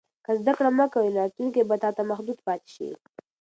که زده کړه مه کوې، نو راتلونکی به تا ته محدود پاتې شي.